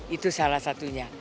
itu salah satunya